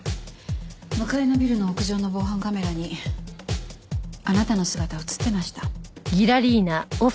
向かいのビルの屋上の防犯カメラにあなたの姿が映ってました。